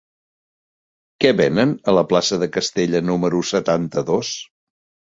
Què venen a la plaça de Castella número setanta-dos?